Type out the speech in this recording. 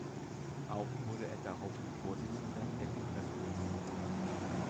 Auch wurde er daraufhin Vorsitzender der Kongresspartei.